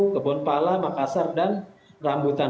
kebun pala makassar dan rambutan